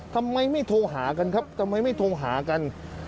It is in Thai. ทำไมไม่โทรหากันครับทำไมไม่โทรหากัน